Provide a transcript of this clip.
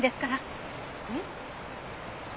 えっ？